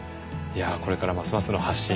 いやこれからますますの発信